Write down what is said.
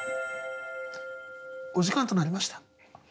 お時間となりました。